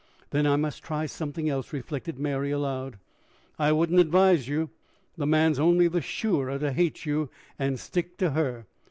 "Then I must try something else," reflected Mary aloud. "I wouldn't advise you. The man's only the surer to hate you and stick to her.